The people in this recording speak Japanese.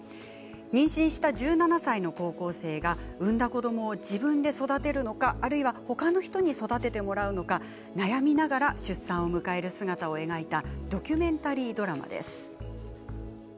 妊娠した１７歳の高校生が産んだ子どもを自分で育てるのかあるいはほかの人に育ててもらうのか悩みながら出産を迎える姿を描いたドキュメンタリードラマです。